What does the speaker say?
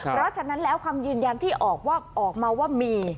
เพราะฉะนั้นแล้วคำยืนยันที่ออกมาว่ามี